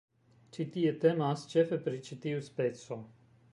Ĉi tie temas ĉefe pri ĉi tiu speco.